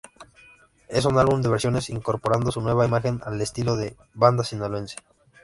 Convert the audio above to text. Es un álbum de versiones, incorporando su nueva imagen al estilo de banda sinaloense.